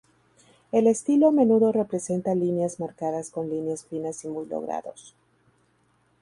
El estilo a menudo representa líneas marcadas con líneas finas y muy logrados.